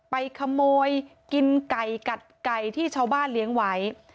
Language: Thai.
ไปขโมยกินไก่กัดไก่ที่ชาวบ้านเลี้ยงไว้